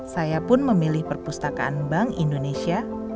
saya pun memilih perpustakaan bank indonesia